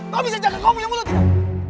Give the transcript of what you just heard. kau bisa jaga kamu yang udah tidak